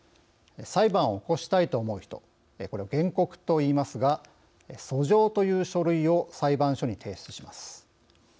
裁判を起こしたいと思う人これを原告といいますが訴状という書類を裁判所に提出します。